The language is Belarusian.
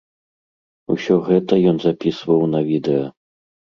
Усё гэта ён запісваў на відэа.